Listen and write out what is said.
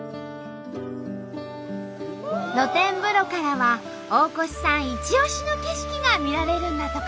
露天風呂からは大越さんいち押しの景色が見られるんだとか。